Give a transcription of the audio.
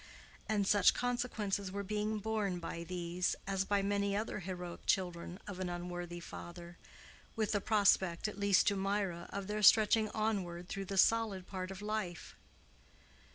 And such consequences were being borne by these, as by many other heroic children of an unworthy father—with the prospect, at least to Mirah, of their stretching onward through the solid part of life.